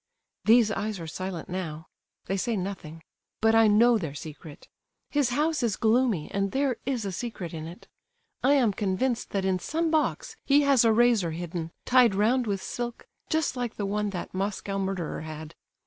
These eyes are silent now, they say nothing; but I know their secret. His house is gloomy, and there is a secret in it. I am convinced that in some box he has a razor hidden, tied round with silk, just like the one that Moscow murderer had.